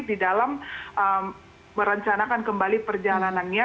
di dalam merencanakan kembali perjalanannya